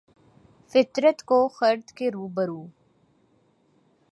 فطرت کو خرد کے روبرو